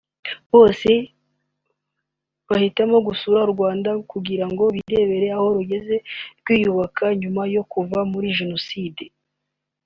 bose bahitamo gusura u Rwanda kugira ngo birebere aho rugeze rwiyubaka nyuma yo kuva muri Jenoside